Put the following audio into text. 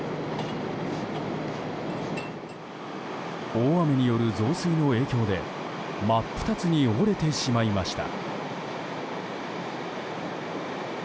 大雨による増水の影響で真っ二つに折れてしまいました。